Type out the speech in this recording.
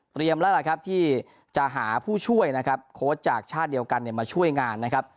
แล้วล่ะครับที่จะหาผู้ช่วยนะครับโค้ชจากชาติเดียวกันมาช่วยงานนะครับ